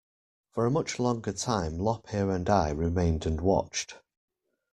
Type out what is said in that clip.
For a much longer time Lop-Ear and I remained and watched.